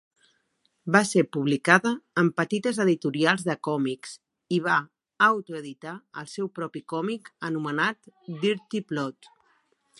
Va ser publicada en petites editorials de còmics i va autoeditar el seu propi còmic anomenat "Dirty Plotte".